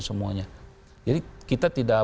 semuanya jadi kita tidak